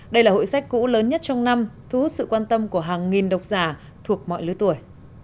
đây là hội sách cũ lớn nhất trong năm thu hút sự quan tâm của hàng nghìn đọc giả thuộc mọi lứa tuổi